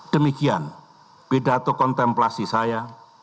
demikian pidato kontemplasi saya